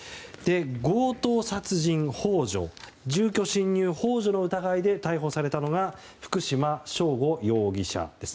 強盗殺人幇助住居侵入幇助の疑いで逮捕されたのが福島聖悟容疑者です。